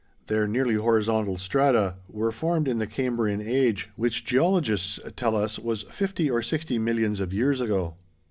Their nearly horizontal strata were formed in the Cambrian Age, which geologists tell us was fifty or sixty millions of years ago.